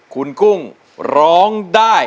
คุณกุ้งร้อง